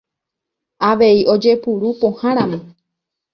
Avei ojepuru pohãramo.